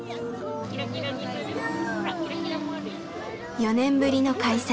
４年ぶりの開催。